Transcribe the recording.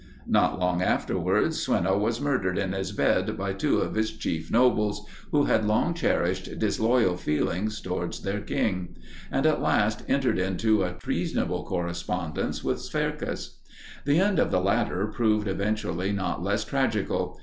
Not long afterwards, Sweno was murdered in his bed by two of his chief nobles, who had long cherished disloyal feelings towards their king; and, at last, entered into a treasonable correspondence with Swercus. The end of the latter proved eventually not less tragical.